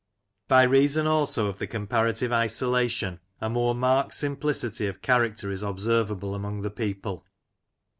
By reason also of the comparative isolation, a more marked simplicity of character is observable among the people.